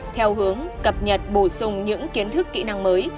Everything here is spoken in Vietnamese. theo hướng cập nhật bổ sung những kiến thức kỹ năng mới